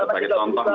sebagai contoh ya